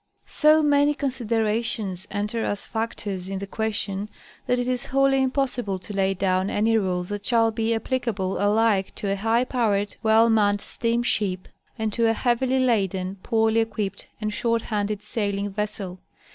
So many considerations enter as factors in the question that it is wholly impossible to lay down any rules that shall be applicable alike to a high powered, well manned steamship, and to a heavily laden, poorly equipped and short handed sailing ves sel.